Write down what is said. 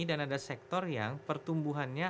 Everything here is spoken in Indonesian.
dan ada sektor yang pertumbuhannya